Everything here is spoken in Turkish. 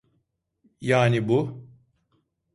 Yani, bu…